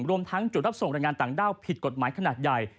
รวมทั้งจุดรับส่งรายงานต่างด้าวผิดกฎหมายขนาดใหญ่